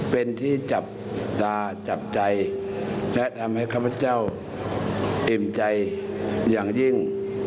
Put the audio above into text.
เป็นที่จับตาจับใจและทำให้ข้าพเจ้าอิ่มใจอย่างยิ่ง